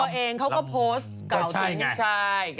ตัวเองเขาก็โพสต์เก่าถุงใช่